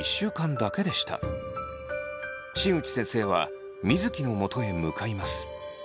新内先生は水城のもとへ向かいます。